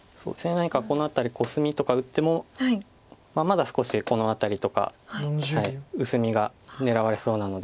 何かこの辺りコスミとか打ってもまだ少しこの辺りとか薄みが狙われそうなので。